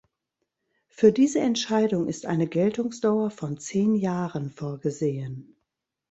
Für diese Entscheidung ist eine Geltungsdauer von zehn Jahren vorgesehen.